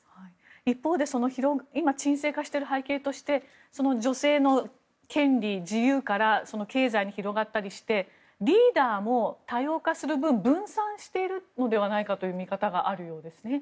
一方で今、沈静化している背景として女性の権利、自由から経済に広がったりしてリーダーも多様化する分分散しているのではないかという見方があるようですね。